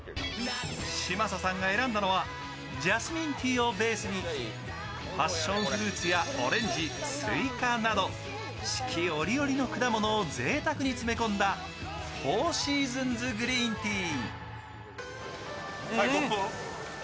嶋佐さんが選んだのはジャスミンティーをベースにパッションフルーツやオレンジ、すいかなど四季折々の果物をぜいたくに詰め込んだフォーシーズンズグリーンティー。